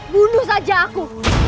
bunuh saja aku